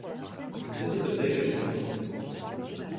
Zıri khıdeç'ırtekhım.